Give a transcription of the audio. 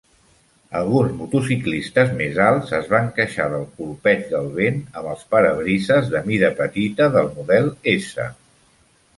Alguns motociclistes més alts es van queixar del colpeig del vent amb els parabrises de mida petita del model S.